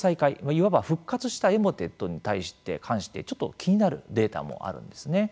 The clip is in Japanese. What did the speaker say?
いわば復活したエモテットに関してちょっと気になるデータもあるんですね。